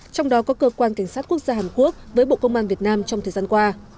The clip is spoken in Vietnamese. trong đó có cơ quan cảnh sát quốc gia hàn quốc với bộ công an việt nam trong thời gian qua